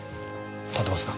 立てますか？